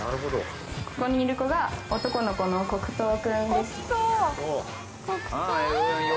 ここにいる子が男の子のコクトウ君です。